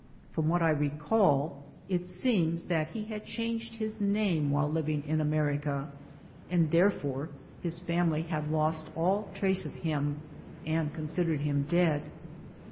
From what I recall, it seems that he had changed his name while living in America, and therefore his family had lost all trace of him, and considered him dead.